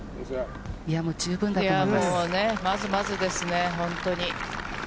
もうね、まずまずですね、本当に。